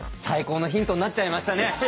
最高のヒントになっちゃいましたね。